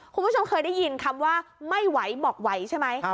คุณผู้ชมเคยได้ยินคำว่าไม่ไหวบอกไหวใช่ไหม